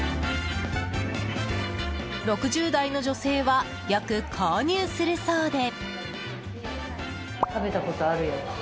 ６０代の女性はよく購入するそうで。